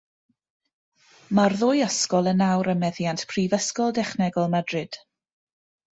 Mae'r ddwy ysgol yn awr ym meddiant Prifysgol Dechnegol Madrid.